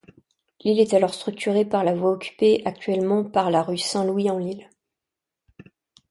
L'île est alors structurée par la voie occupée actuellement par la rue Saint-Louis-en-l'Île.